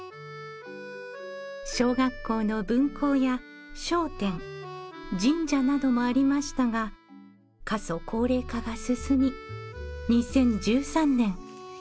小学校の分校や商店神社などもありましたが過疎・高齢化が進み。